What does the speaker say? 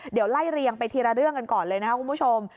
เดี๋ยวไล่เรียงไปทีละเรื่องกันก่อนเลยนะครับคุณผู้ชม